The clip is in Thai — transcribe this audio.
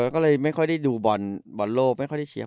ก็เลยไม่ค่อยได้ดูบอลโลกไม่ค่อยได้เชียร์